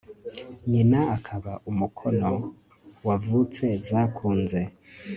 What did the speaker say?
nyina akaba umukono wavutse zakunze